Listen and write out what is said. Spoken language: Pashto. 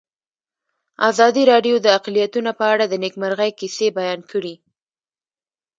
ازادي راډیو د اقلیتونه په اړه د نېکمرغۍ کیسې بیان کړې.